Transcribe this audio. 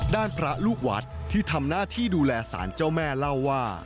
ด้านพระลูกวัดที่ทำหน้าที่ดูแลสารเจ้าแม่เล่าว่า